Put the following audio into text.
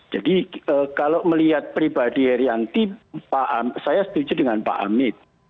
jadi kalau melihat pribadi heriantik saya setuju dengan pak amit